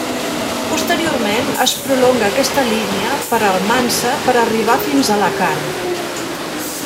Posteriorment es prolonga aquesta línia per Almansa per arribar fins a Alacant.